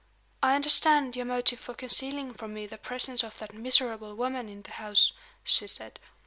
"I understand your motive for concealing from me the presence of that miserable woman in the house," she said.